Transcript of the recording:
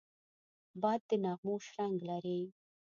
باد د نغمو شرنګ لري